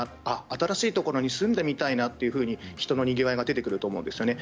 新しいところに住んでみたいなと人のにぎわいが出てくると思うんですね。